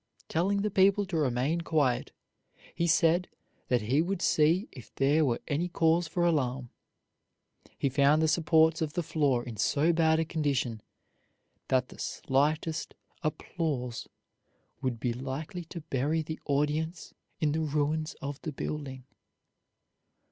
Telling the people to remain quiet, he said that he would see if there were any cause for alarm. He found the supports of the floor in so bad a condition that the slightest applause would be likely to bury the audience in the ruins of the building.